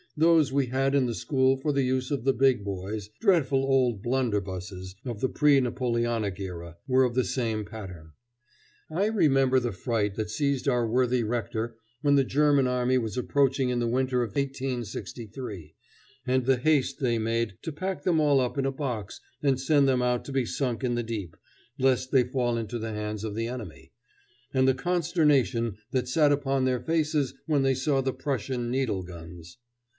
Those we had in the school for the use of the big boys dreadful old blunderbusses of the pre Napoleonic era were of the same pattern. I remember the fright that seized our worthy rector when the German army was approaching in the winter of 1863, and the haste they made to pack them all up in a box and send them out to be sunk in the deep, lest they fall into the hands of the enemy; and the consternation that sat upon their faces when they saw the Prussian needle guns.